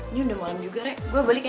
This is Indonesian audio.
ini udah malem juga re gue balik ya